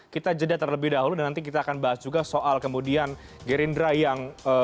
kita jeda terlebih dahulu dan nanti kita akan bahas juga soal kemudian gerindra yang